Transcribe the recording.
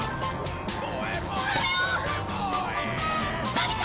のび太！